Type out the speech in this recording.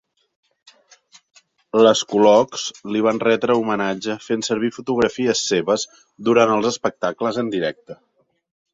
"Les Colocs" li van retre homenatge fent servir fotografies seves durant els espectacles en directe.